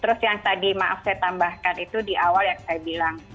terus yang tadi maaf saya tambahkan itu di awal yang saya bilang